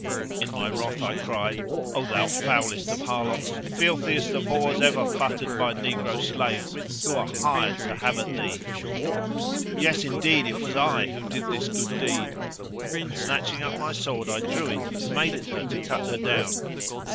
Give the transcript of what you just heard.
In my wrath I cried:—O thou foulest of harlots and filthiest of whores ever futtered by negro slaves who are hired to have at thee![FN#129] Yes indeed it was I who did this good deed; and snatching up my sword I drew it and made at her to cut her down.